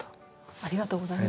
ありがとうございます。